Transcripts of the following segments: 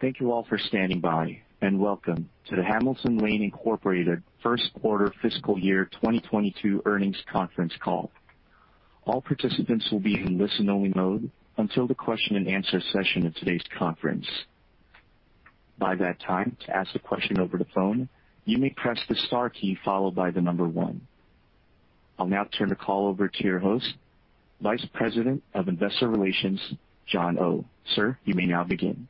Thank you all for standing by, and welcome to the Hamilton Lane Incorporated First Quarter Fiscal Year 2022 Earnings Conference Call. All participants will be in listen-only mode until the question and answer session of today's conference. I'll now turn the call over to your host, Vice President of Investor Relations, John Oh. Sir, you may now begin.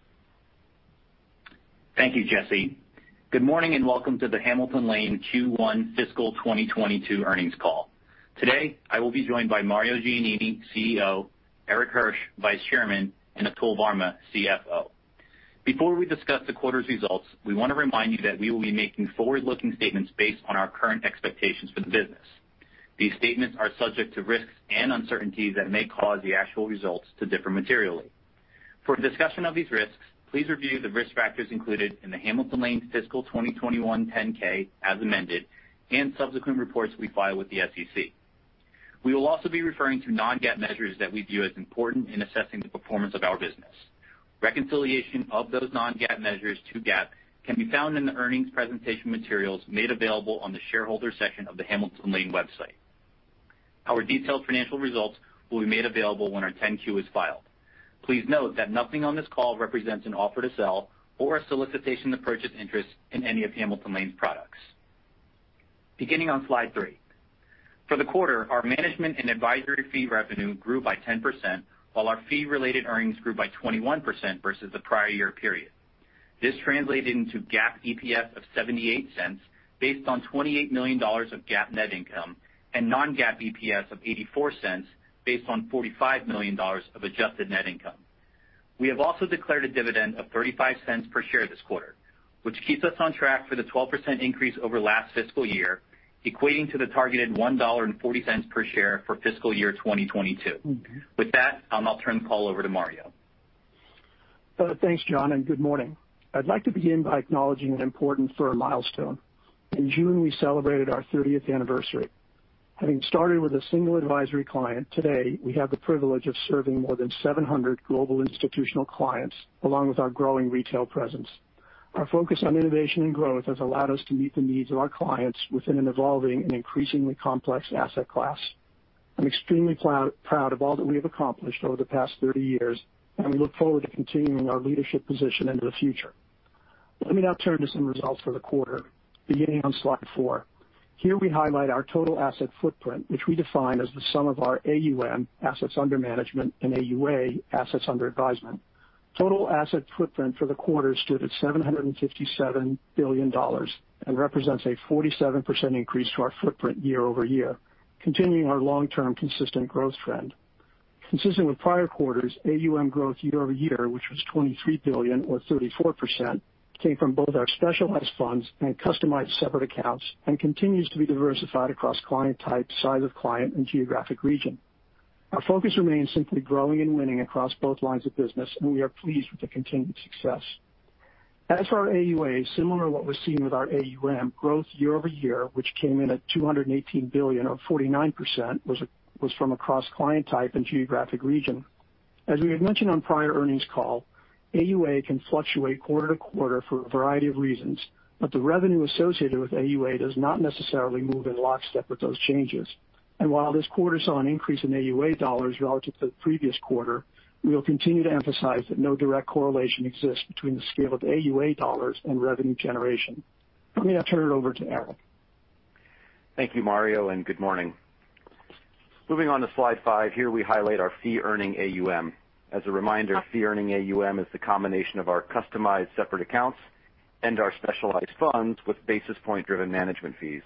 Thank you, Jesse. Good morning, and welcome to the Hamilton Lane Q1 fiscal 2022 earnings call. Today, I will be joined by Mario Giannini, CEO, Erik Hirsch, Vice Chairman, and Atul Varma, CFO. Before we discuss the quarter's results, we want to remind you that we will be making forward-looking statements based on our current expectations for the business. These statements are subject to risks and uncertainties that may cause the actual results to differ materially. For a discussion of these risks, please review the risk factors included in the Hamilton Lane Fiscal 2021 10-K as amended, and subsequent reports we file with the SEC. We will also be referring to non-GAAP measures that we view as important in assessing the performance of our business. Reconciliation of those non-GAAP measures to GAAP can be found in the earnings presentation materials made available on the shareholder section of the Hamilton Lane website. Our detailed financial results will be made available when our 10-Q is filed. Please note that nothing on this call represents an offer to sell or a solicitation to purchase interest in any of Hamilton Lane's products. Beginning on slide 3. For the quarter, our management and advisory fee revenue grew by 10%, while our fee-related earnings grew by 21% versus the prior year period. This translated into GAAP EPS of $0.78 based on $28 million of GAAP net income and non-GAAP EPS of $0.84 based on $45 million of adjusted net income. We have also declared a dividend of $0.35 per share this quarter, which keeps us on track for the 12% increase over last fiscal year, equating to the targeted $1.40 per share for fiscal year 2022. With that, I'll now turn the call over to Mario. Thanks, John. Good morning. I'd like to begin by acknowledging an important firm milestone. In June, we celebrated our 30th anniversary. Having started with a single advisory client, today we have the privilege of serving more than 700 global institutional clients, along with our growing retail presence. Our focus on innovation and growth has allowed us to meet the needs of our clients within an evolving and increasingly complex asset class. I'm extremely proud of all that we have accomplished over the past 30 years, and we look forward to continuing our leadership position into the future. Let me now turn to some results for the quarter beginning on slide 4. Here we highlight our total asset footprint, which we define as the sum of our AUM, assets under management, and AUA, assets under advisement. Total asset footprint for the quarter stood at $757 billion and represents a 47% increase to our footprint year-over-year, continuing our long-term consistent growth trend. Consistent with prior quarters, AUM growth year-over-year, which was $23 billion or 34%, came from both our Specialized Funds and Customized Separate Accounts and continues to be diversified across client type, size of client and geographic region. Our focus remains simply growing and winning across both lines of business, and we are pleased with the continued success. As for our AUA, similar to what was seen with our AUM, growth year-over-year, which came in at $218 billion or 49%, was from across client type and geographic region. As we had mentioned on prior earnings call, AUA can fluctuate quarter to quarter for a variety of reasons, but the revenue associated with AUA does not necessarily move in lockstep with those changes. While this quarter saw an increase in AUA dollars relative to the previous quarter, we will continue to emphasize that no direct correlation exists between the scale of AUA dollars and revenue generation. Let me now turn it over to Erik. Thank you, Mario. Good morning. Moving on to slide 5. Here we highlight our fee-earning AUM. As a reminder, fee-earning AUM is the combination of our Customized Separate Accounts and our Specialized Funds with basis point-driven management fees.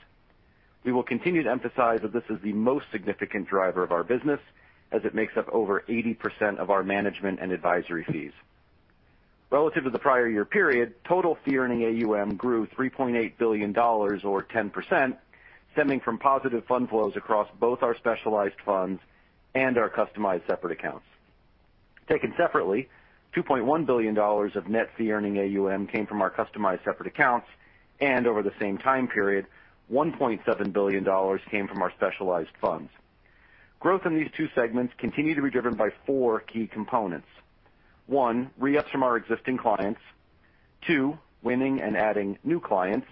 We will continue to emphasize that this is the most significant driver of our business as it makes up over 80% of our management and advisory fees. Relative to the prior year period, total fee-earning AUM grew $3.8 billion or 10%, stemming from positive fund flows across both our Specialized Funds and our Customized Separate Accounts. Taken separately, $2.1 billion of net fee-earning AUM came from our Customized Separate Accounts, and over the same time period, $1.7 billion came from our Specialized Funds. Growth in these two segments continue to be driven by four key components. One, re-ups from our existing clients. Two, winning and adding new clients.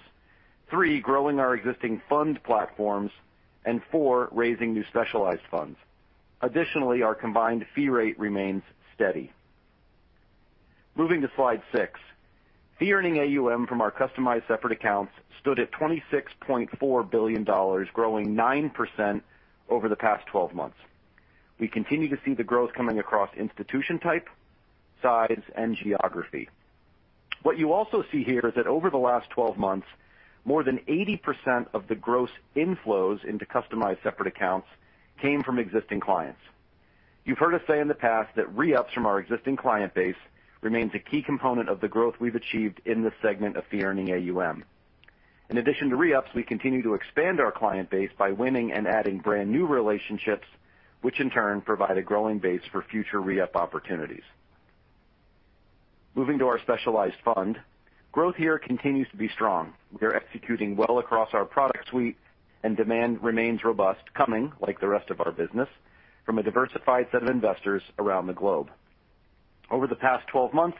Three, growing our existing fund platforms. Four, raising new Specialized Funds. Our combined fee rate remains steady. Moving to slide 6. Fee-earning AUM from our Customized Separate Accounts stood at $26.4 billion, growing 9% over the past 12 months. We continue to see the growth coming across institution type, size, and geography. What you also see here is that over the last 12 months, more than 80% of the gross inflows into Customized Separate Accounts came from existing clients. You've heard us say in the past that re-ups from our existing client base remains a key component of the growth we've achieved in this segment of fee-earning AUM. In addition to re-ups, we continue to expand our client base by winning and adding brand-new relationships, which in turn provide a growing base for future re-up opportunities. Moving to our Specialized Funds. Growth here continues to be strong. We are executing well across our product suite, demand remains robust, coming, like the rest of our business, from a diversified set of investors around the globe. Over the past 12 months,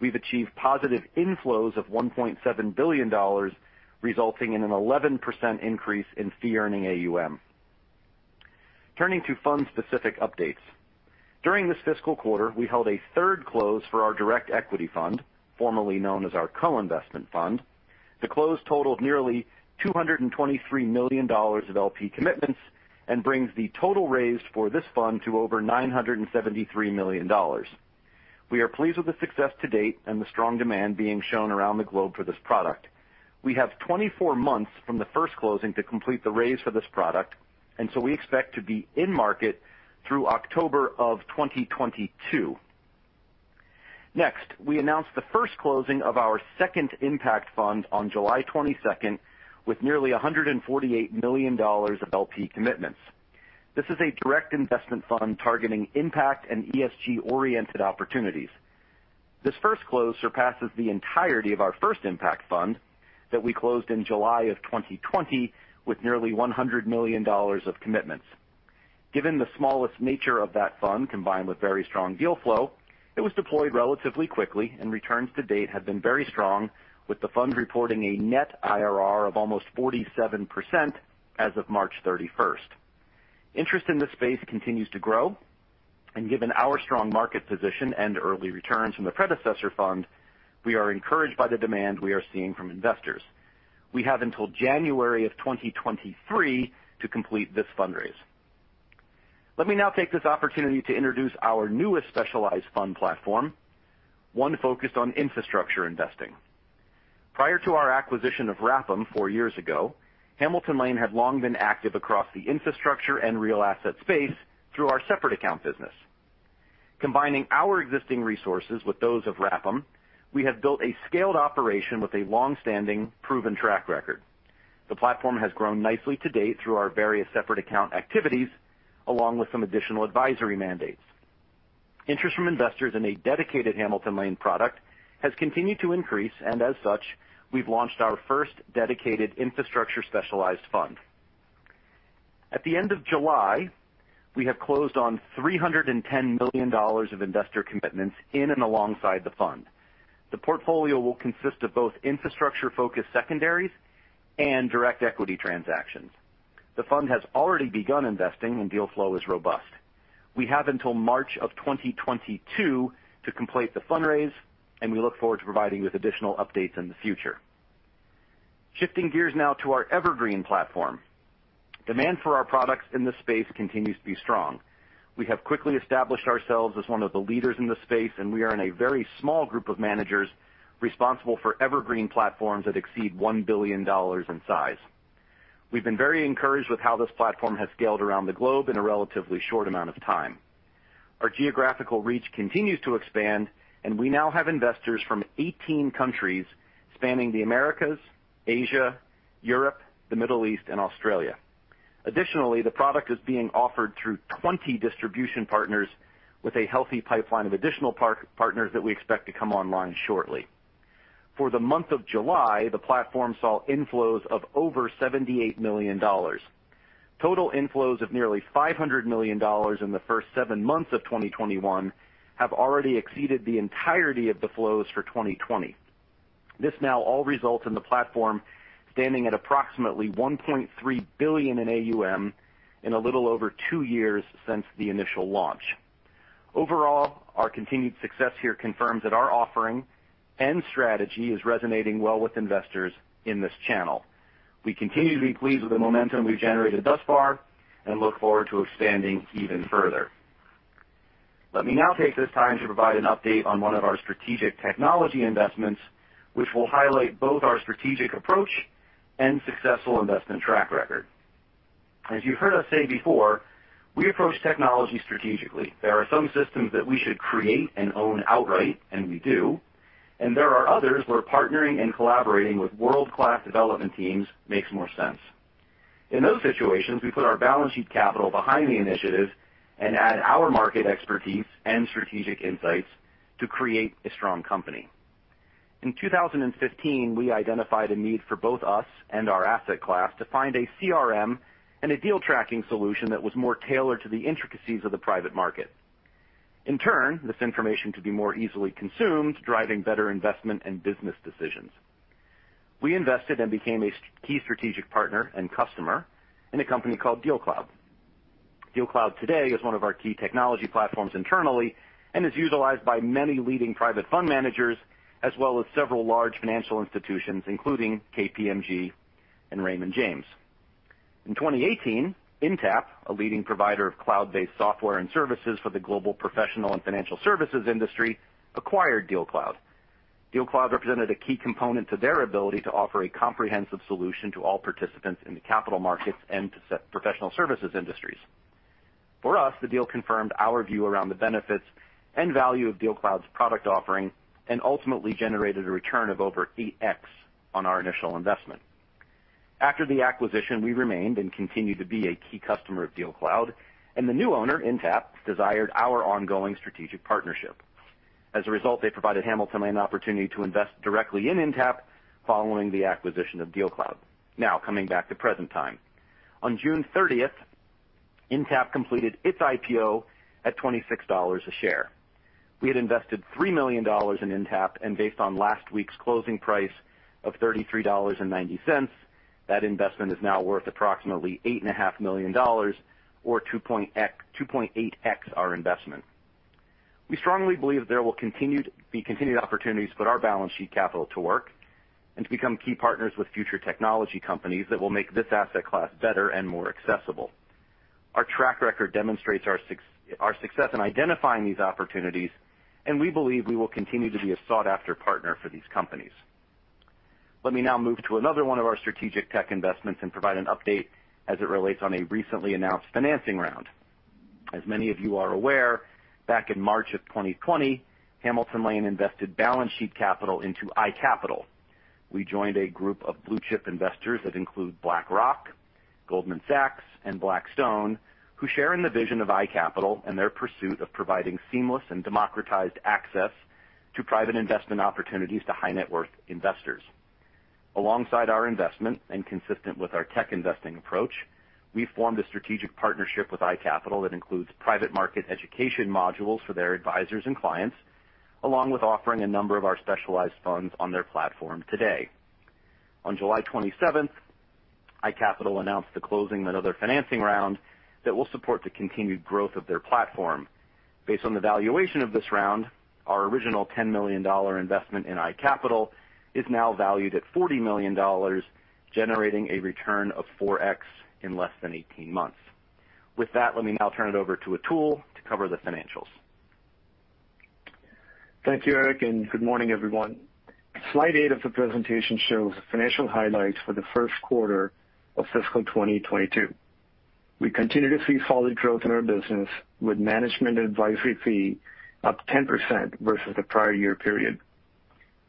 we've achieved positive inflows of $1.7 billion, resulting in an 11% increase in fee-earning AUM. Turning to fund-specific updates. During this fiscal quarter, we held a third close for our direct equity fund, formerly known as our co-investment fund. The close totaled nearly $223 million of LP commitments and brings the total raised for this fund to over $973 million. We are pleased with the success to date and the strong demand being shown around the globe for this product. We have 24 months from the first closing to complete the raise for this product, we expect to be in-market through October of 2022. We announced the first closing of our second impact fund on July 22nd, with nearly $148 million of LP commitments. This is a direct investment fund targeting impact and ESG-oriented opportunities. This first close surpasses the entirety of our first impact fund that we closed in July of 2020, with nearly $100 million of commitments. Given the smallest nature of that fund, combined with very strong deal flow, it was deployed relatively quickly, and returns to date have been very strong, with the fund reporting a net IRR of almost 47% as of March 31st. Interest in this space continues to grow. Given our strong market position and early returns from the predecessor fund, we are encouraged by the demand we are seeing from investors. We have until January of 2023 to complete this fundraise. Let me now take this opportunity to introduce our newest specialized fund platform, one focused on infrastructure investing. Prior to our acquisition of RAPM four years ago, Hamilton Lane had long been active across the infrastructure and real asset space through our separate account business. Combining our existing resources with those of RAPM, we have built a scaled operation with a long-standing, proven track record. The platform has grown nicely to date through our various separate account activities, along with some additional advisory mandates. Interest from investors in a dedicated Hamilton Lane product has continued to increase, and as such, we've launched our first dedicated infrastructure Specialized Fund. At the end of July, we have closed on $310 million of investor commitments in and alongside the fund. The portfolio will consist of both infrastructure-focused secondaries and direct equity transactions. The fund has already begun investing, and deal flow is robust. We have until March of 2022 to complete the fundraise. We look forward to providing you with additional updates in the future. Shifting gears now to our Evergreen platform. Demand for our products in this space continues to be strong. We have quickly established ourselves as one of the leaders in the space. We are in a very small group of managers responsible for Evergreen platforms that exceed $1 billion in size. We've been very encouraged with how this platform has scaled around the globe in a relatively short amount of time. Our geographical reach continues to expand. We now have investors from 18 countries spanning the Americas, Asia, Europe, the Middle East, and Australia. Additionally, the product is being offered through 20 distribution partners with a healthy pipeline of additional partners that we expect to come online shortly. For the month of July, the platform saw inflows of over $78 million. Total inflows of nearly $500 million in the first seven months of 2021 have already exceeded the entirety of the flows for 2020. This now all results in the platform standing at approximately $1.3 billion in AUM in a little over two years since the initial launch. Overall, our continued success here confirms that our offering and strategy is resonating well with investors in this channel. We continue to be pleased with the momentum we've generated thus far and look forward to expanding even further. Let me now take this time to provide an update on one of our strategic technology investments, which will highlight both our strategic approach and successful investment track record. As you've heard us say before, we approach technology strategically. There are some systems that we should create and own outright, and we do. There are others where partnering and collaborating with world-class development teams makes more sense. In those situations, we put our balance sheet capital behind the initiative and add our market expertise and strategic insights to create a strong company. In 2015, we identified a need for both us and our asset class to find a CRM and a deal tracking solution that was more tailored to the intricacies of the private market. In turn, this information to be more easily consumed, driving better investment and business decisions. We invested and became a key strategic partner and customer in a company called DealCloud. DealCloud today is one of our key technology platforms internally and is utilized by many leading private fund managers, as well as several large financial institutions, including KPMG and Raymond James. In 2018, Intapp, a leading provider of cloud-based software and services for the global professional and financial services industry, acquired DealCloud. DealCloud represented a key component to their ability to offer a comprehensive solution to all participants in the capital markets and professional services industries. For us, the deal confirmed our view around the benefits and value of DealCloud's product offering and ultimately generated a return of over 8x on our initial investment. After the acquisition, we remained and continue to be a key customer of DealCloud, and the new owner, Intapp, desired our ongoing strategic partnership. As a result, they provided Hamilton Lane an opportunity to invest directly in Intapp following the acquisition of DealCloud. Now, coming back to present time. On June 30th, Intapp completed its IPO at $26 a share. We had invested $3 million in Intapp, and based on last week's closing price of $33.90, that investment is now worth approximately $8.5 million, or 2.8x our investment. We strongly believe there will be continued opportunities to put our balance sheet capital to work and to become key partners with future technology companies that will make this asset class better and more accessible. Our track record demonstrates our success in identifying these opportunities, and we believe we will continue to be a sought-after partner for these companies. Let me now move to another one of our strategic tech investments and provide an update as it relates on a recently announced financing round. As many of you are aware, back in March of 2020, Hamilton Lane invested balance sheet capital into iCapital. We joined a group of blue-chip investors that include BlackRock, Goldman Sachs, and Blackstone, who share in the vision of iCapital and their pursuit of providing seamless and democratized access to private investment opportunities to high-net-worth investors. Alongside our investment, and consistent with our tech investing approach, we formed a strategic partnership with iCapital that includes private market education modules for their advisors and clients, along with offering a number of our Specialized Funds on their platform today. On July 27th, iCapital announced the closing of another financing round that will support the continued growth of their platform. Based on the valuation of this round, our original $10 million investment in iCapital is now valued at $40 million, generating a return of 4x in less than 18 months. With that, let me now turn it over to Atul to cover the financials. Thank you, Erik, and good morning, everyone. Slide 8 of the presentation shows the financial highlights for the first quarter of fiscal 2022. We continue to see solid growth in our business with management advisory fee up 10% versus the prior year period.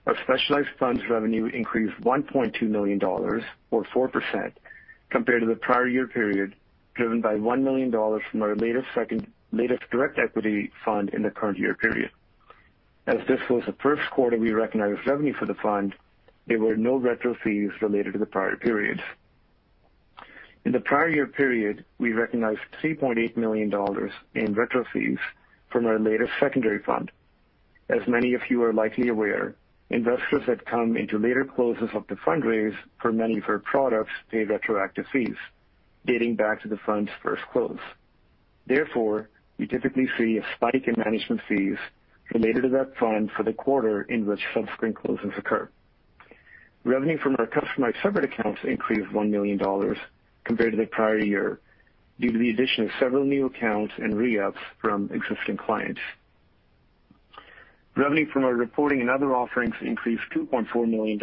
Our Specialized Funds revenue increased $1.2 million, or 4%, compared to the prior year period, driven by $1 million from our latest direct equity fund in the current year period. As this was the first quarter we recognized revenue for the fund, there were no retro fees related to the prior periods. In the prior year period, we recognized $3.8 million in retro fees from our latest secondary fund. As many of you are likely aware, investors that come into later closes of the fundraise for many of our products pay retroactive fees dating back to the fund's first close. Therefore, we typically see a spike in management fees related to that fund for the quarter in which subsequent closes occur. Revenue from our Customized Separate Accounts increased $1 million compared to the prior year, due to the addition of several new accounts and re-ups from existing clients. Revenue from our reporting and other offerings increased $2.4 million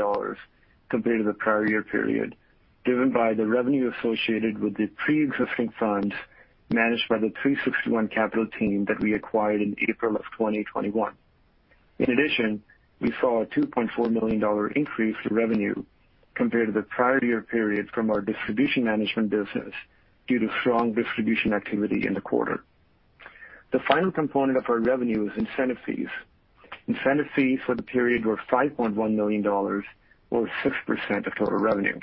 compared to the prior year period, driven by the revenue associated with the preexisting funds managed by the 361 Capital team that we acquired in April of 2021. In addition, we saw a $2.4 million increase to revenue compared to the prior year period from our distribution management business due to strong distribution activity in the quarter. The final component of our revenue is incentive fees. Incentive fees for the period were $5.1 million or 6% of total revenue.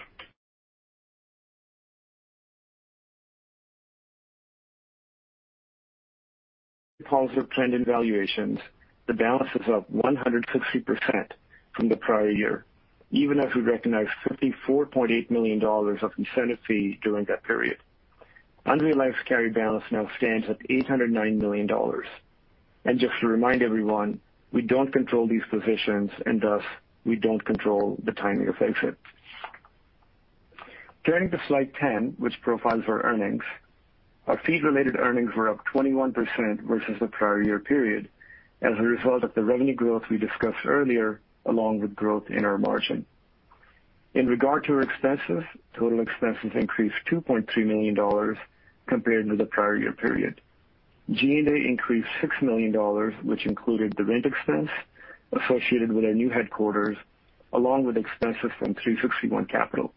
Positive trend in valuations, the balance is up 160% from the prior year, even as we recognized $54.8 million of incentive fee during that period. Unrealized carry balance now stands at $809 million. Just to remind everyone, we don't control these positions, and thus, we don't control the timing of exits. Turning to slide 10, which profiles our earnings, our fee-related earnings were up 21% versus the prior year period as a result of the revenue growth we discussed earlier, along with growth in our margin. In regard to our expenses, total expenses increased $2.3 million compared to the prior year period. G&A increased $6 million, which included the rent expense associated with our new headquarters, along with expenses from 361 Capital.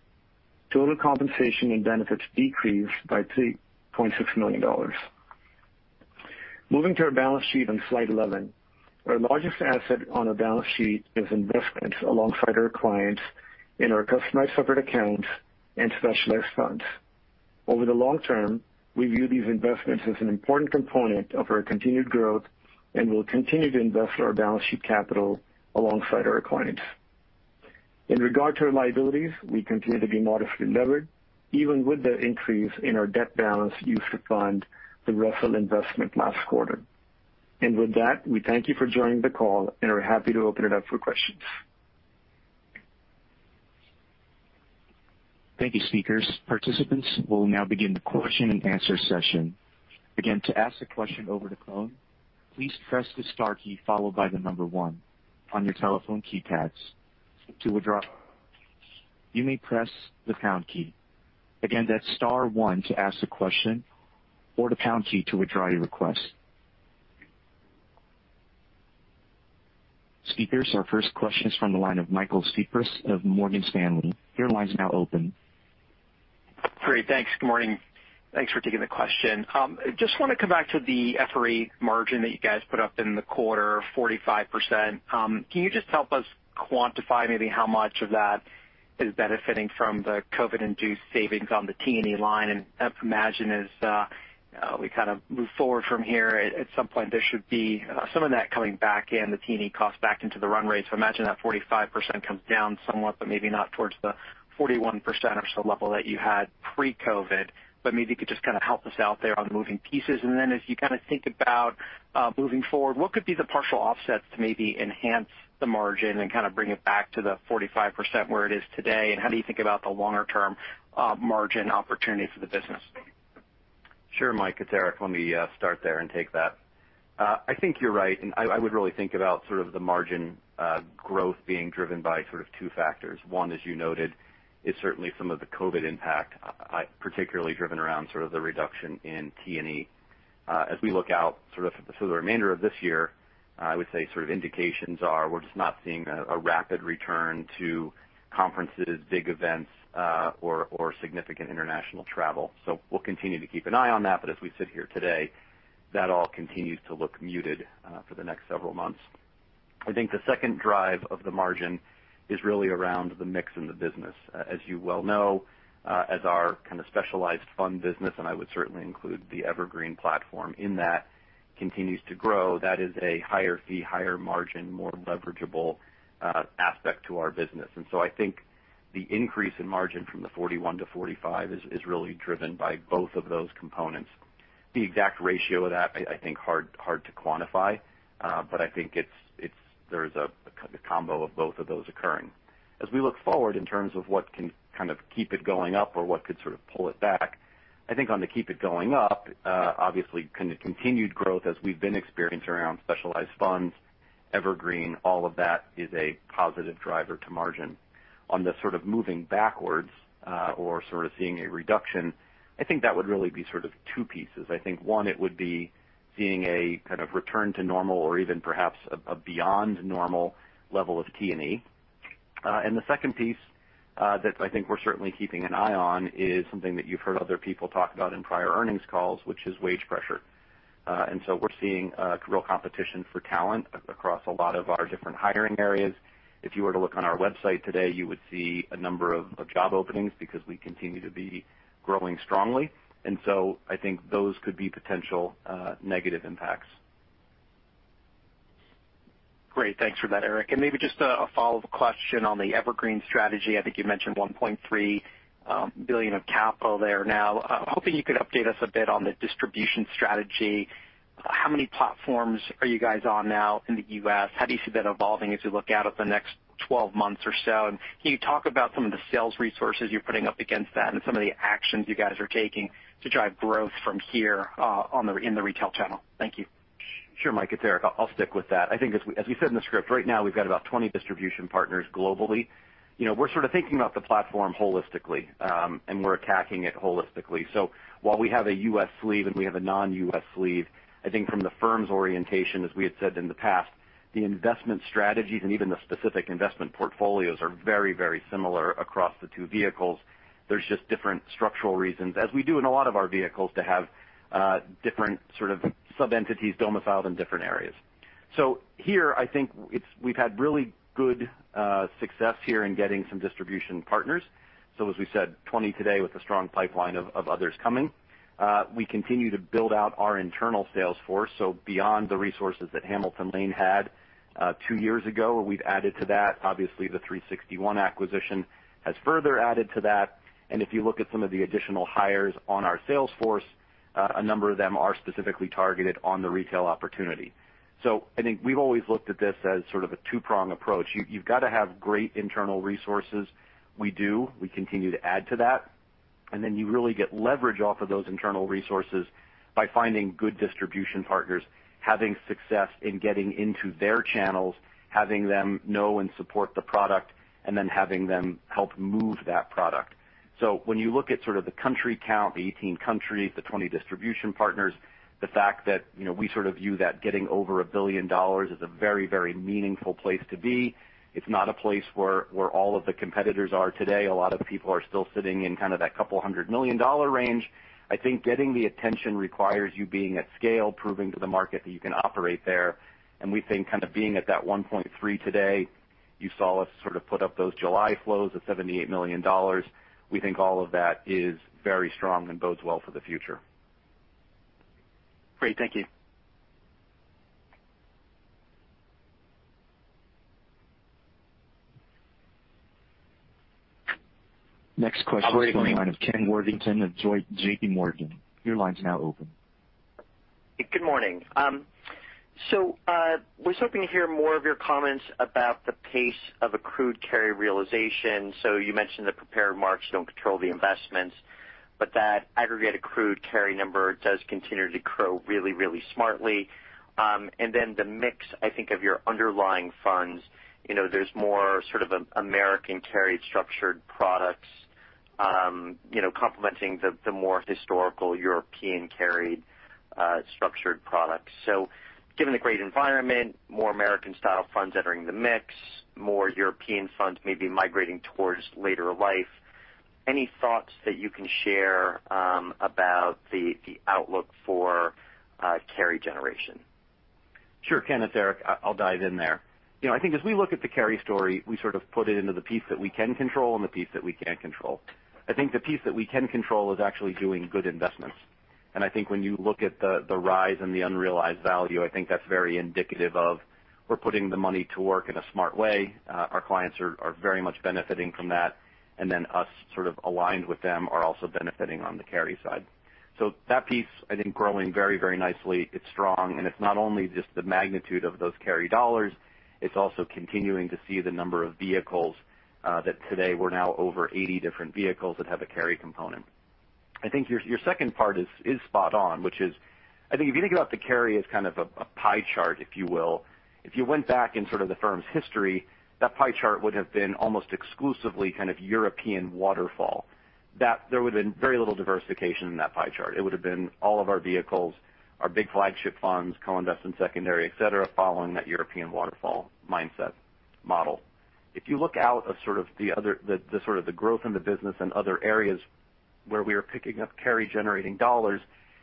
Total compensation and benefits decreased by $3.6 million. Moving to our balance sheet on slide 11. Our largest asset on our balance sheet is investments alongside our clients in our Customized Separate Accounts and Specialized Funds. Over the long term, we view these investments as an important component of our continued growth and will continue to invest our balance sheet capital alongside our clients. In regard to our liabilities, we continue to be modestly levered, even with the increase in our debt balance used to fund the Russell Investments last quarter. With that, we thank you for joining the call and are happy to open it up for questions. Thank you, speakers. Participants, we'll now begin the question and answer session. Again, to ask a question over the phone, please press the star key, followed by the number one on your telephone keypads. To withdraw, you may press the pound key. Again, that's star one to ask a question or the pound key to withdraw your request. Speakers, our first question is from the line of Michael Cyprys of Morgan Stanley. Your line's now open. Great. Thanks. Good morning. Thanks for taking the question. Want to come back to the FRE margin that you guys put up in the quarter, 45%. Can you just help us quantify maybe how much of that is benefiting from the COVID-induced savings on the T&E line? I imagine as we move forward from here, at some point, there should be some of that coming back in, the T&E cost back into the run rate. Imagine that 45% comes down somewhat, but maybe not towards the 41% or so level that you had pre-COVID. Maybe you could just help us out there on the moving pieces. As you think about moving forward, what could be the partial offsets to maybe enhance the margin and bring it back to the 45% where it is today, and how do you think about the longer-term margin opportunity for the business? Sure, Michael Cyprys, it's Erik Hirsch. Let me start there and take that. I think you're right. I would really think about the margin growth being driven by two factors. One, as you noted, is certainly some of the COVID impact, particularly driven around the reduction in T&E. As we look out for the remainder of this year, I would say indications are we're just not seeing a rapid return to conferences, big events, or significant international travel. We'll continue to keep an eye on that, but as we sit here today, that all continues to look muted for the next several months. I think the second drive of the margin is really around the mix in the business. As you well know, as our Specialized Funds business, and I would certainly include the Evergreen platform in that, continues to grow, that is a higher fee, higher margin, more leverageable aspect to our business. I think the increase in margin from the 41%-45% is really driven by both of those components. The exact ratio of that, I think, hard to quantify. I think there's a combo of both of those occurring. As we look forward in terms of what can keep it going up or what could pull it back, I think on the keep it going up, obviously, continued growth as we've been experiencing around Specialized Funds, Evergreen, all of that is a positive driver to margin. On the moving backwards, or seeing a reduction, I think that would really be two pieces. I think 1, it would be seeing a return to normal or even perhaps a beyond normal level of T&E. The second piece that I think we're certainly keeping an eye on is something that you've heard other people talk about in prior earnings calls, which is wage pressure. We're seeing real competition for talent across a lot of our different hiring areas. If you were to look on our website today, you would see a number of job openings because we continue to be growing strongly. I think those could be potential negative impacts. Great. Thanks for that, Erik. Maybe just a follow-up question on the Evergreen strategy. I think you mentioned $1.3 billion of capital there now. Hoping you could update us a bit on the distribution strategy. How many platforms are you guys on now in the U.S.? How do you see that evolving as we look out at the next 12 months or so? Can you talk about some of the sales resources you're putting up against that and some of the actions you guys are taking to drive growth from here in the retail channel? Thank you. Sure, Michael, it's Erik. I'll stick with that. I think as we said in the script, right now, we've got about 20 distribution partners globally. We're thinking about the platform holistically, and we're attacking it holistically. While we have a U.S. sleeve and we have a non-U.S. sleeve, I think from the firm's orientation, as we had said in the past, the investment strategies and even the specific investment portfolios are very similar across the two vehicles. There's just different structural reasons, as we do in a lot of our vehicles, to have different sub-entities domiciled in different areas. Here, I think we've had really good success here in getting some distribution partners. As we said, 20 today with a strong pipeline of others coming. We continue to build out our internal sales force. Beyond the resources that Hamilton Lane had two years ago, we've added to that. Obviously, the 361 acquisition has further added to that. If you look at some of the additional hires on our sales force, a number of them are specifically targeted on the retail opportunity. I think we've always looked at this as a two-prong approach. You've got to have great internal resources. We do. We continue to add to that. Then you really get leverage off of those internal resources by finding good distribution partners, having success in getting into their channels, having them know and support the product, and then having them help move that product. When you look at the country count, the 18 countries, the 20 distribution partners, the fact that we view that getting over $1 billion is a very meaningful place to be. It's not a place where all of the competitors are today. A lot of people are still sitting in that couple hundred million dollar range. I think getting the attention requires you being at scale, proving to the market that you can operate there. We think being at that $1.3 today, you saw us put up those July flows of $78 million. We think all of that is very strong and bodes well for the future. Great. Thank you. Next question is from the line of Kenneth Worthington of JPMorgan. Your line's now open. Good morning. Was hoping to hear more of your comments about the pace of accrued carry realization. You mentioned the prepared remarks don't control the investments, but that aggregate accrued carry number does continue to grow really smartly. The mix, I think of your underlying funds, there's more American carry structured products complementing the more historical European carried structured products. Given the great environment, more American-style funds entering the mix, more European funds maybe migrating towards later life, any thoughts that you can share about the outlook for carry generation? Sure, Kenneth. Erik, I'll dive in there. I think as we look at the carry story, we sort of put it into the piece that we can control and the piece that we can't control. I think the piece that we can control is actually doing good investments. I think when you look at the rise in the unrealized value, I think that's very indicative of we're putting the money to work in a smart way. Our clients are very much benefiting from that, and then us sort of aligned with them are also benefiting on the carry side. That piece, I think, growing very nicely. It's strong. It's not only just the magnitude of those carry dollars, it's also continuing to see the number of vehicles that today we're now over 80 different vehicles that have a carry component. I think your second part is spot on, which is, I think if you think about the carry as kind of a pie chart, if you will, if you went back in sort of the firm's history, that pie chart would have been almost exclusively kind of European waterfall. There would've been very little diversification in that pie chart. It would've been all of our vehicles, our big flagship funds, co-invest in secondary, et cetera, following that European waterfall mindset model. If you look out at sort of the growth in the business and other areas where we are picking up carry-generating dollars,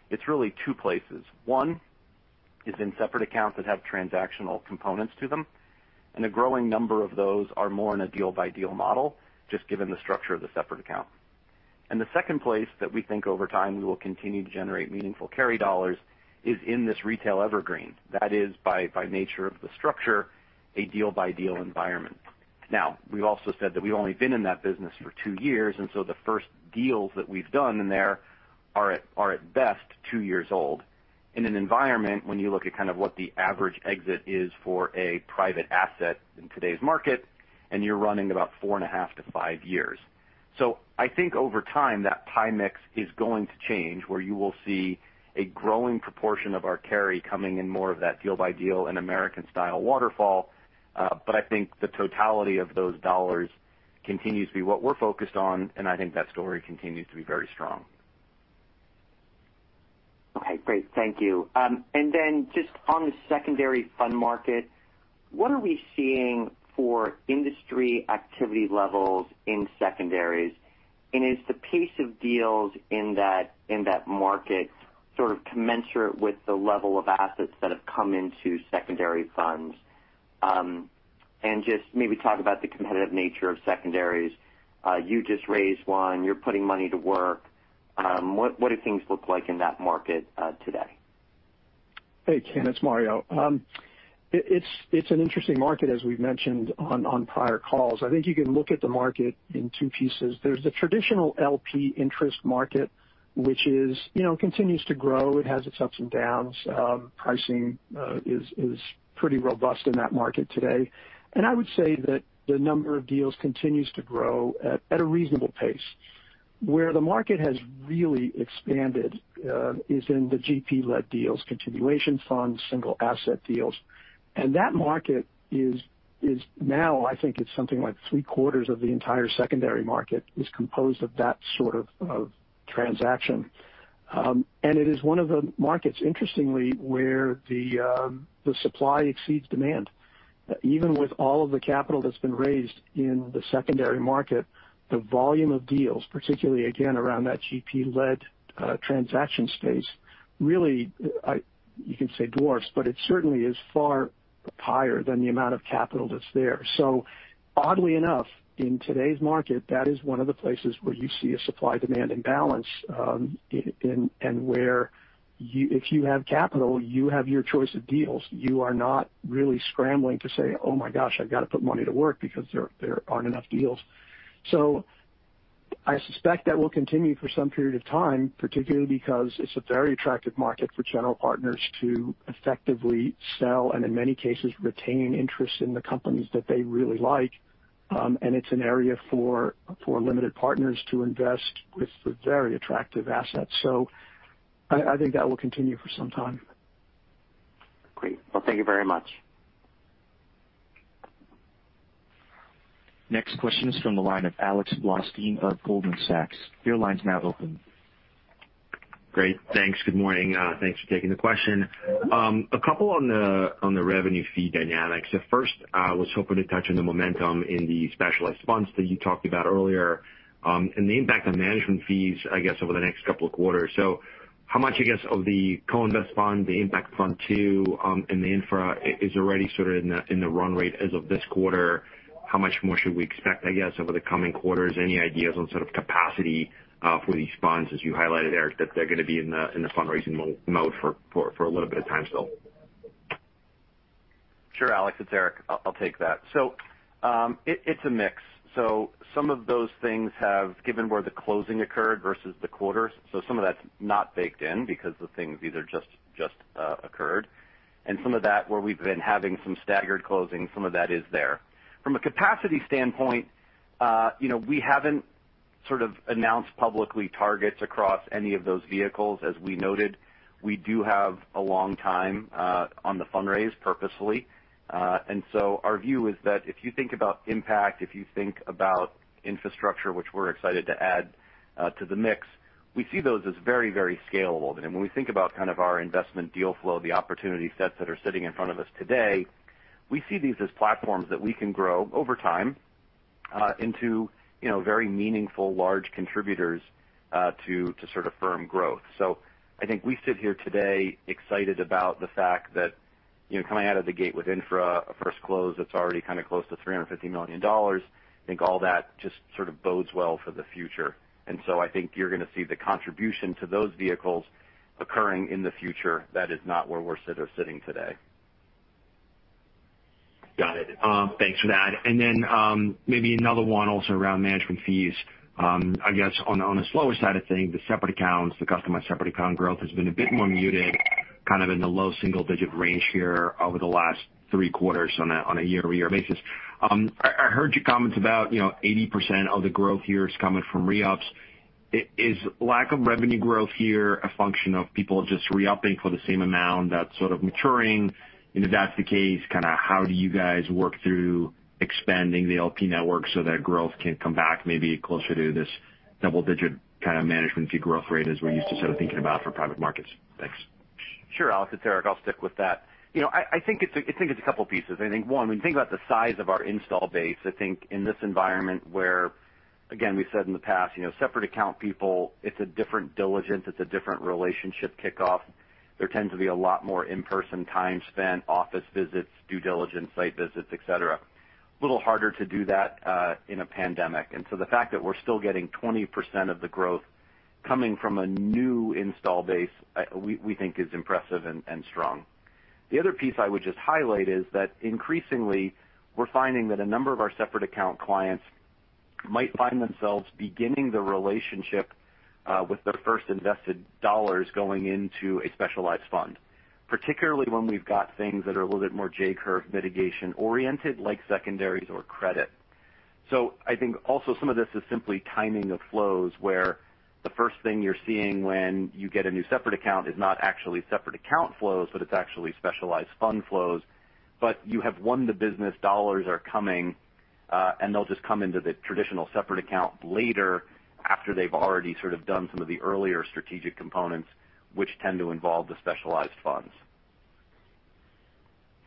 it's really two places. One is in separate accounts that have transactional components to them, and a growing number of those are more in a deal-by-deal model, just given the structure of the separate account. The second place that we think over time we will continue to generate meaningful carry dollars is in this retail Evergreen. That is by nature of the structure, a deal-by-deal environment. We've also said that we've only been in that business for two years, and so the first deals that we've done in there are at best two years old. In an environment, when you look at kind of what the average exit is for a private asset in today's market, and you're running about 4.5-5 years. I think over time, that pie mix is going to change, where you will see a growing proportion of our carry coming in more of that deal by deal in American style waterfall. I think the totality of those dollars continues to be what we're focused on, and I think that story continues to be very strong. Okay, great. Thank you. Just on the secondary fund market, what are we seeing for industry activity levels in secondaries? Is the pace of deals in that market sort of commensurate with the level of assets that have come into secondary funds? Just maybe talk about the competitive nature of secondaries. You just raised one. You are putting money to work. What do things look like in that market today? Hey, Ken. It's Mario. It's an interesting market, as we've mentioned on prior calls. I think you can look at the market in two pieces. There's the traditional LP interest market, which continues to grow. It has its ups and downs. Pricing is pretty robust in that market today. I would say that the number of deals continues to grow at a reasonable pace. Where the market has really expanded is in the GP-led deals, continuation funds, single asset deals. That market is now I think it's something like three quarters of the entire secondary market is composed of that sort of transaction. It is one of the markets, interestingly, where the supply exceeds demand. Even with all of the capital that's been raised in the secondary market, the volume of deals, particularly again, around that GP-led transaction space, really, you can say dwarfs, but it certainly is far higher than the amount of capital that's there. Oddly enough, in today's market, that is one of the places where you see a supply-demand imbalance, and where if you have capital, you have your choice of deals. You are not really scrambling to say, "Oh my gosh, I've got to put money to work because there aren't enough deals." I suspect that will continue for some period of time, particularly because it's a very attractive market for general partners to effectively sell and in many cases retain interest in the companies that they really like. It's an area for limited partners to invest with very attractive assets. I think that will continue for some time. Great. Well, thank you very much. Next question is from the line of Alexander Blostein of Goldman Sachs. Your line's now open. Great. Thanks. Good morning. Thanks for taking the question. A couple on the revenue fee dynamics. First, I was hoping to touch on the momentum in the Specialized Funds that you talked about earlier, and the impact on management fees, I guess, over the next couple of quarters. How much, I guess, of the co-invest fund, the impact fund two, and the infra is already sort of in the run rate as of this quarter. How much more should we expect, I guess, over the coming quarters? Any ideas on sort of capacity for these funds, as you highlighted, Erik, that they're going to be in the fundraising mode for a little bit of time still? Sure, Alex, it's Erik. I'll take that. It's a mix. Some of those things have given where the closing occurred versus the quarters. Some of that's not baked in because the things either just occurred. Some of that where we've been having some staggered closing, some of that is there. From a capacity standpoint, we haven't sort of announced publicly targets across any of those vehicles. As we noted, we do have a long time on the fundraise purposefully. Our view is that if you think about impact, if you think about infrastructure, which we're excited to add to the mix. We see those as very, very scalable. When we think about our investment deal flow, the opportunity sets that are sitting in front of us today, we see these as platforms that we can grow over time into very meaningful large contributors to firm growth. I think we sit here today excited about the fact that, coming out of the gate with infra, a first close that's already close to $350 million. I think all that just bodes well for the future. I think you're going to see the contribution to those vehicles occurring in the future. That is not where we're sitting today. Got it. Thanks for that. Then maybe another one also around management fees. I guess on the slower side of things, the Customized Separate Accounts growth has been a bit more muted in the low single-digit range here over the last three quarters on a year-over-year basis. I heard your comments about 80% of the growth here is coming from re-ups. Is lack of revenue growth here a function of people just re-upping for the same amount that's maturing? If that's the case, how do you guys work through expanding the LP network so that growth can come back maybe closer to this double-digit management fee growth rate as we're used to thinking about for private markets? Thanks. Sure, Alex. It's Erik. I'll stick with that. I think it's a couple pieces. I think, one, when you think about the size of our install base, I think in this environment where, again, we said in the past, separate account people, it's a different diligence, it's a different relationship kickoff. There tends to be a lot more in-person time spent, office visits, due diligence, site visits, et cetera. A little harder to do that in a pandemic. The fact that we're still getting 20% of the growth coming from a new install base we think is impressive and strong. The other piece I would just highlight is that increasingly we're finding that a number of our separate account clients might find themselves beginning the relationship with their first invested dollars going into a Specialized fund, particularly when we've got things that are a little bit more J-curve mitigation oriented, like secondaries or credit. I think also some of this is simply timing of flows, where the first thing you're seeing when you get a new separate account is not actually separate account flows, but it's actually Specialized fund flows. You have won the business, dollars are coming, and they'll just come into the traditional separate account later after they've already done some of the earlier strategic components, which tend to involve the Specialized funds.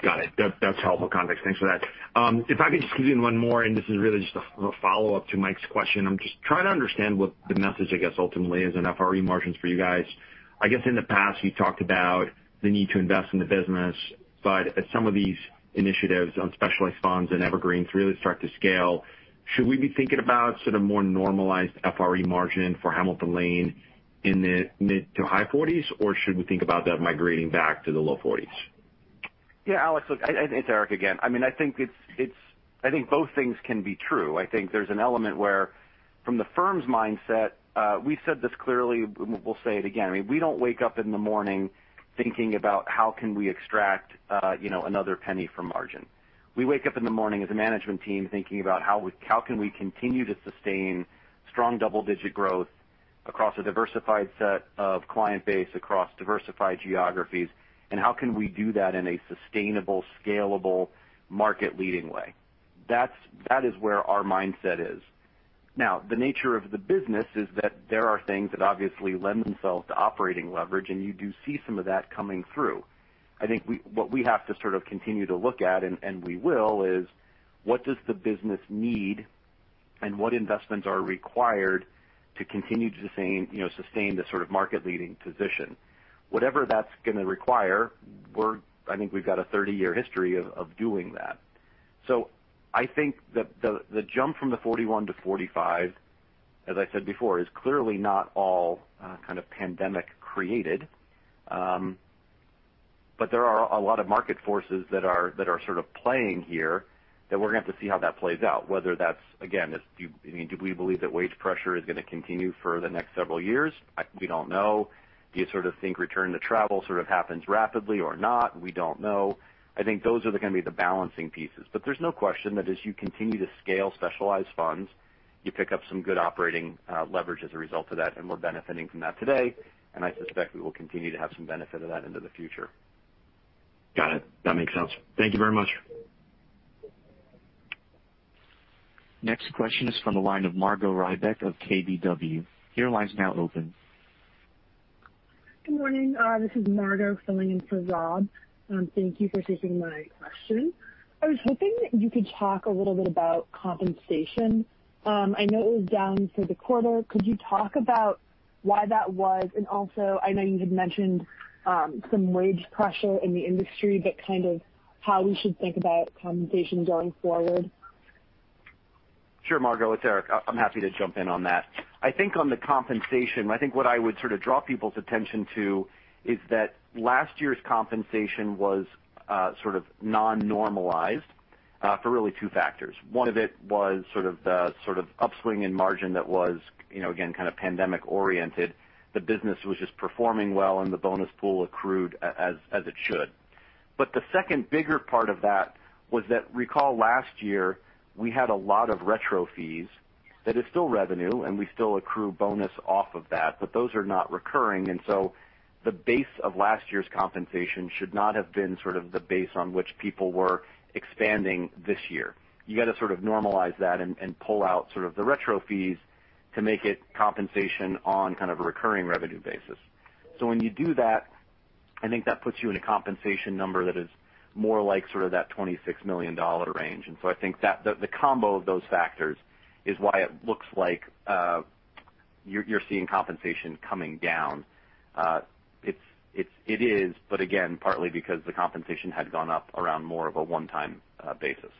Got it. That's helpful context. Thanks for that. If I could just squeeze in one more, and this is really just a follow-up to Mike's question. I'm just trying to understand what the message, I guess, ultimately is on FRE margins for you guys. I guess in the past, you've talked about the need to invest in the business. As some of these initiatives on Specialized Funds and Evergreen really start to scale, should we be thinking about more normalized FRE margin for Hamilton Lane in the mid-to-high 40s, or should we think about that migrating back to the low 40s? Alex, look, it's Erik again. I think both things can be true. I think there's an element where from the firm's mindset, we said this clearly, we'll say it again. We don't wake up in the morning thinking about how can we extract another penny from margin. We wake up in the morning as a management team thinking about how can we continue to sustain strong double-digit growth across a diversified set of client base, across diversified geographies, and how can we do that in a sustainable, scalable, market-leading way. That is where our mindset is. The nature of the business is that there are things that obviously lend themselves to operating leverage, and you do see some of that coming through. I think what we have to continue to look at, and we will, is what does the business need and what investments are required to continue to sustain this market-leading position. Whatever that's going to require, I think we've got a 30-year history of doing that. I think the jump from the 41 to 45, as I said before, is clearly not all pandemic created. There are a lot of market forces that are playing here that we're going to have to see how that plays out. Whether that's, again, do we believe that wage pressure is going to continue for the next several years? We don't know. Do you think return to travel happens rapidly or not? We don't know. I think those are going to be the balancing pieces. There's no question that as you continue to scale Specialized Funds, you pick up some good operating leverage as a result of that, and we're benefiting from that today, and I suspect we will continue to have some benefit of that into the future. Got it. That makes sense. Thank you very much. Next question is from the line of Robert Lee of KBW. Your line is now open. Good morning. This is Robert Lee filling in for Rob. Thank you for taking my question. I was hoping you could talk a little bit about compensation. I know it was down for the quarter. Could you talk about why that was? Also, I know you had mentioned some wage pressure in the industry, but how we should think about compensation going forward. Sure, Robert, it's Erik. I'm happy to jump in on that. I think on the compensation, I think what I would draw people's attention to is that last year's compensation was non-normalized for really two factors. One of it was the upswing in margin that was again pandemic oriented. The business was just performing well, and the bonus pool accrued as it should. The second bigger part of that was that recall last year, we had a lot of retro fees. That is still revenue, and we still accrue bonus off of that, but those are not recurring, and so the base of last year's compensation should not have been the base on which people were expanding this year. You got to normalize that and pull out the retro fees to make it compensation on a recurring revenue basis. When you do that, I think that puts you in a compensation number that is more like that $26 million range. I think that the combo of those factors is why it looks like you're seeing compensation coming down. It is, but again, partly because the compensation had gone up around more of a one-time basis.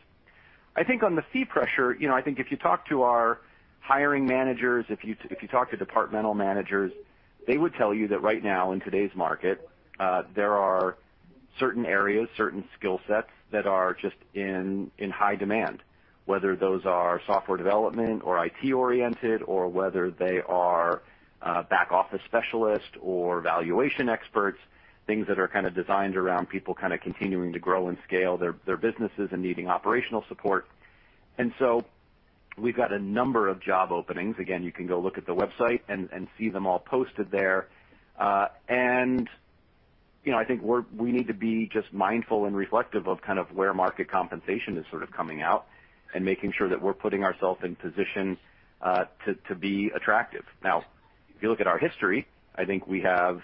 I think on the fee pressure, I think if you talk to our hiring managers, if you talk to departmental managers, they would tell you that right now in today's market, there are certain areas, certain skill sets that are just in high demand, whether those are software development or IT-oriented, or whether they are back-office specialists or valuation experts, things that are kind of designed around people continuing to grow and scale their businesses and needing operational support. We've got a number of job openings. Again, you can go look at the website and see them all posted there. I think we need to be just mindful and reflective of where market compensation is sort of coming out and making sure that we're putting ourselves in position to be attractive. Now, if you look at our history, I think we have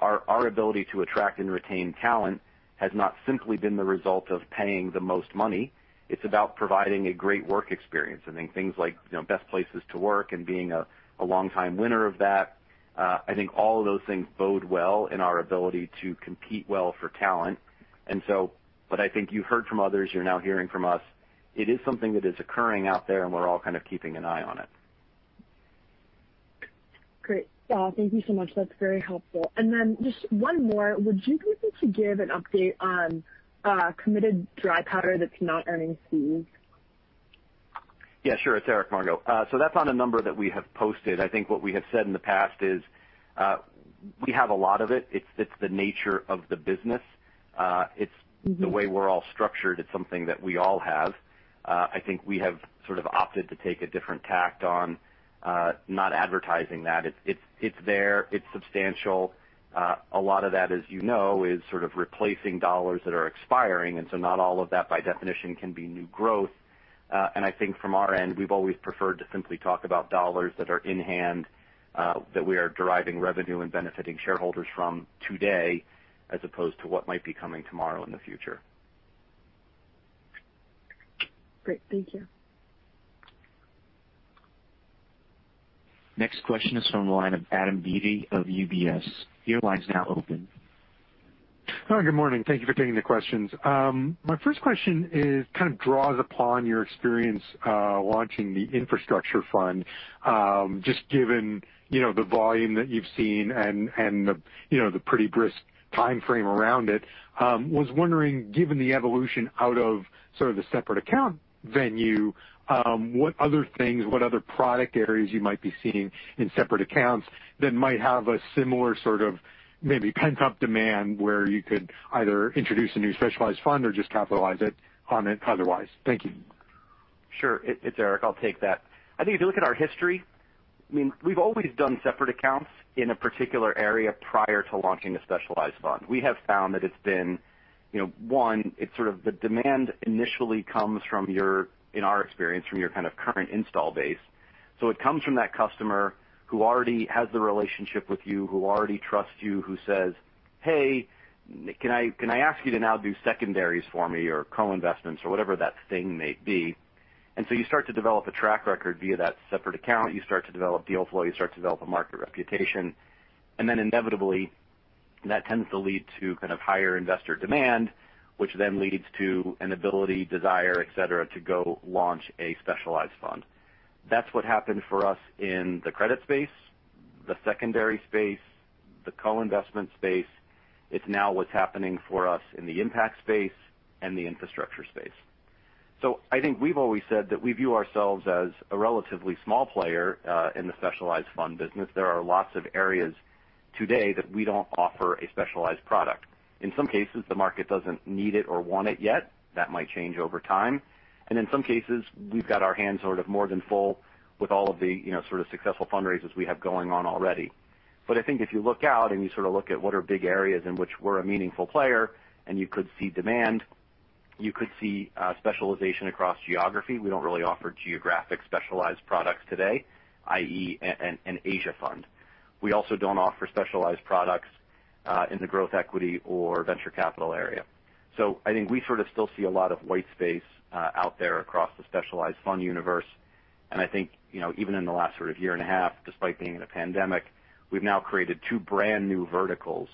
our ability to attract and retain talent has not simply been the result of paying the most money. It's about providing a great work experience. I think things like Best Places to Work and being a long-time winner of that. I think all of those things bode well in our ability to compete well for talent. I think you've heard from others, you're now hearing from us, it is something that is occurring out there, and we're all kind of keeping an eye on it. Great. Thank you so much. That's very helpful. Just one more. Would you be able to give an update on committed dry powder that's not earning fees? Yeah, sure. It's Erik, Robert. That's not a number that we have posted. I think what we have said in the past is, we have a lot of it. It's the nature of the business. It's the way we're all structured. It's something that we all have. I think we have sort of opted to take a different tact on not advertising that. It's there, it's substantial. A lot of that, as you know, is sort of replacing $ that are expiring, not all of that, by definition, can be new growth. I think from our end, we've always preferred to simply talk about $ that are in hand, that we are deriving revenue and benefiting shareholders from today as opposed to what might be coming tomorrow in the future. Great. Thank you. Next question is from the line of Adam Beatty of UBS. Your line is now open. Good morning. Thank you for taking the questions. My first question kind of draws upon your experience launching the infrastructure fund. Just given the volume that you've seen and the pretty brisk timeframe around it. Was wondering, given the evolution out of sort of the separate account venue, what other things, what other product areas you might be seeing in separate accounts that might have a similar sort of maybe pent-up demand where you could either introduce a new Specialized Fund or just capitalize it on it otherwise? Thank you. Sure. It's Erik Hirsch. I'll take that. I think if you look at our history, we've always done Customized Separate Accounts in a particular area prior to launching a Specialized Funds. We have found that it's been, one, it's sort of the demand initially comes from your, in our experience, from your kind of current install base. It comes from that customer who already has the relationship with you, who already trusts you, who says, "Hey, can I ask you to now do secondaries for me or co-investments?" Whatever that thing may be. You start to develop a track record via that Customized Separate Account. You start to develop deal flow. You start to develop a market reputation. Inevitably, that tends to lead to kind of higher investor demand, which then leads to an ability, desire, et cetera, to go launch a Specialized Funds. That's what happened for us in the credit space, the secondary space, the co-investment space. It's now what's happening for us in the impact space and the infrastructure space. I think we've always said that we view ourselves as a relatively small player in the Specialized Funds business. There are lots of areas today that we don't offer a specialized product. In some cases, the market doesn't need it or want it yet. That might change over time. In some cases, we've got our hands sort of more than full with all of the successful fundraisers we have going on already. I think if you look out and you sort of look at what are big areas in which we're a meaningful player, and you could see demand, you could see specialization across geography. We don't really offer geographic specialized products today, i.e., an Asia fund. We also don't offer specialized products in the growth equity or venture capital area. I think we sort of still see a lot of white space out there across the specialized fund universe. I think, even in the last sort of 1.5 years, despite being in a pandemic, we've now created two brand new verticals,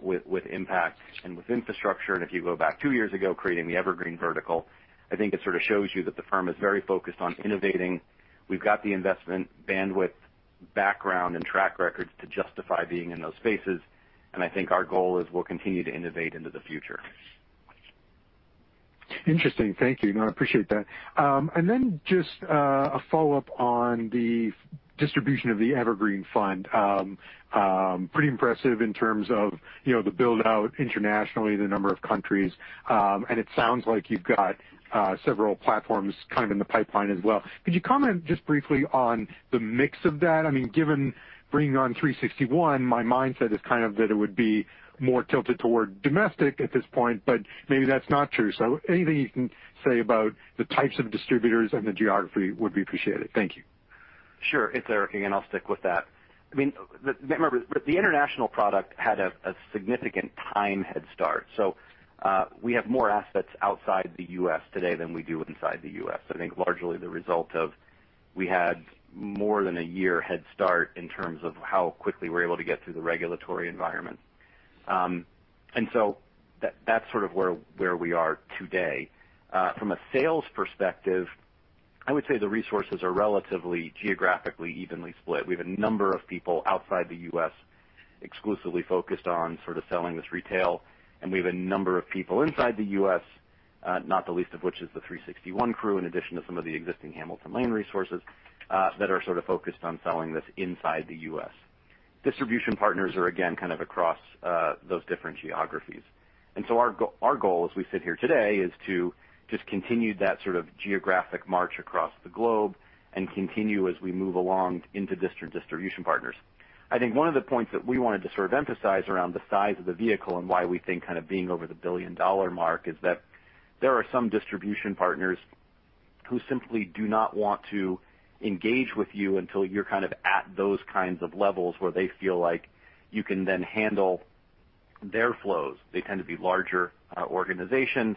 with impact and with infrastructure. If you go back two years ago, creating the Evergreen vertical, I think it sort of shows you that the firm is very focused on innovating. We've got the investment bandwidth, background, and track records to justify being in those spaces, and I think our goal is we'll continue to innovate into the future. Interesting. Thank you. No, I appreciate that. Just a follow-up on the distribution of the Evergreen fund. Pretty impressive in terms of the build-out internationally, the number of countries. It sounds like you've got several platforms kind of in the pipeline as well. Could you comment just briefly on the mix of that? I mean, given bringing on 361, my mindset is kind of that it would be more tilted toward domestic at this point, but maybe that's not true. Anything you can say about the types of distributors and the geography would be appreciated. Thank you. Sure. It's Erik again, I'll stick with that. Remember, the international product had a significant time head start, so we have more assets outside the U.S. today than we do inside the U.S. I think largely the result of we had more than a year head start in terms of how quickly we're able to get through the regulatory environment. That's sort of where we are today. From a sales perspective, I would say the resources are relatively geographically evenly split. We have a number of people outside the U.S. exclusively focused on sort of selling this retail, and we have a number of people inside the U.S., not the least of which is the 361 Capital crew, in addition to some of the existing Hamilton Lane resources that are sort of focused on selling this inside the U.S. Distribution partners are again, kind of across those different geographies. Our goal as we sit here today is to just continue that sort of geographic march across the globe and continue as we move along into distribution partners. I think one of the points that we wanted to sort of emphasize around the size of the vehicle and why we think kind of being over the billion-dollar mark is that there are some distribution partners who simply do not want to engage with you until you're kind of at those kinds of levels where they feel like you can then handle their flows. They tend to be larger organizations,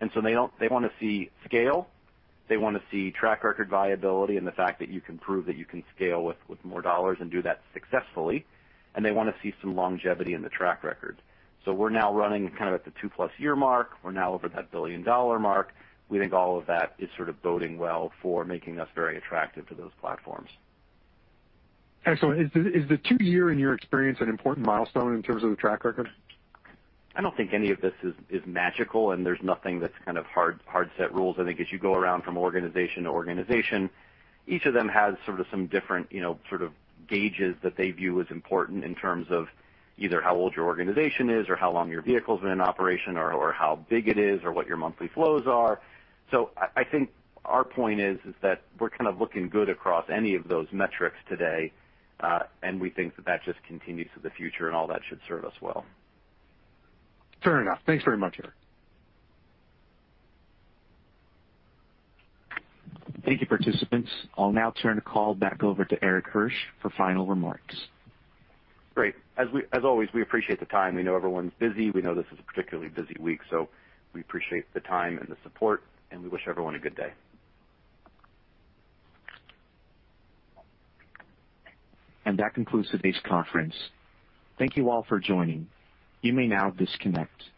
and so they want to see scale, they want to see track record viability, and the fact that you can prove that you can scale with more dollars and do that successfully. They want to see some longevity in the track record. We're now running kind of at the 2-plus year mark. We're now over that $1 billion mark. We think all of that is sort of boding well for making us very attractive to those platforms. Excellent. Is the two year, in your experience, an important milestone in terms of the track record? I don't think any of this is magical and there's nothing that's kind of hard set rules. I think as you go around from organization to organization, each of them has sort of some different gauges that they view as important in terms of either how old your organization is, or how long your vehicle's been in operation, or how big it is, or what your monthly flows are. I think our point is that we're kind of looking good across any of those metrics today. We think that just continues to the future and all that should serve us well. Fair enough. Thanks very much, Erik. Thank you, participants. I'll now turn the call back over to Erik Hirsch for final remarks. Great. As always, we appreciate the time. We know everyone's busy. We appreciate the time and the support. We wish everyone a good day. That concludes today's conference. Thank you all for joining. You may now disconnect.